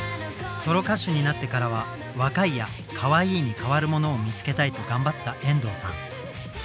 ソロ歌手になってからは「若い」や「かわいい」に代わるものを見つけたいと頑張った遠藤さん。